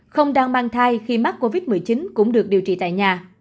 không đang mang thai khi mắc covid một mươi chín cũng được điều trị tại nhà